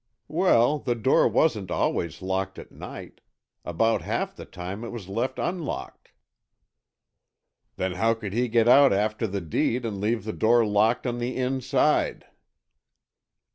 "Well, the door wasn't always locked at night. About half the time it was left unlocked." "Then, how could he get out after the deed and leave the door locked on the inside?"